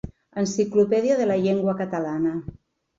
Enciclopèdia de la Llengua Catalana.